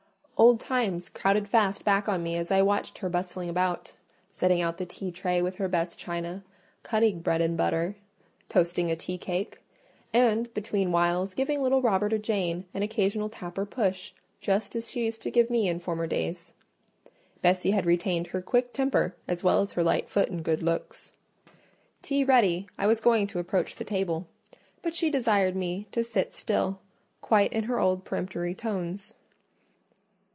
Old times crowded fast back on me as I watched her bustling about—setting out the tea tray with her best china, cutting bread and butter, toasting a tea cake, and, between whiles, giving little Robert or Jane an occasional tap or push, just as she used to give me in former days. Bessie had retained her quick temper as well as her light foot and good looks. Tea ready, I was going to approach the table; but she desired me to sit still, quite in her old peremptory tones.